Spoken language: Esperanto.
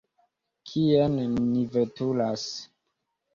Kien ni veturas?